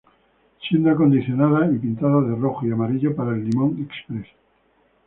Siendo acondicionadas y pintadas de rojo y amarillo para el "Limón Express".